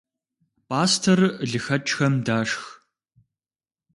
Пӏастэр лыхэкӏхэм дашх.